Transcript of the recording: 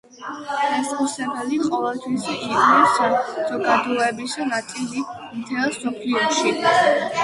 ლესბოსელები ყოველთვის იყვნენ საზოგადოების ნაწილი მთელ მსოფლიოში.